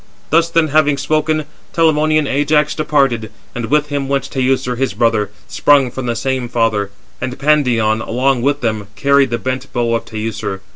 Thus then having spoken, Telamonian Ajax departed, and with him went Teucer, his brother, sprung from the same father; and Pandion, along with them, carried the bent bow of Teucer.